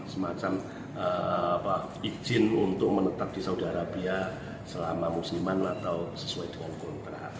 semacam izin untuk menetap di saudi arabia selama musiman atau sesuai dengan kontrak